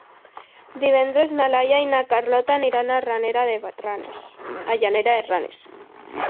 Divendres na Laia i na Carlota aniran a Llanera de Ranes.